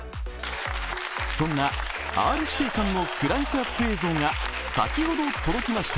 そんなＲ−指定さんのクランクアップ映像が先ほど届きました。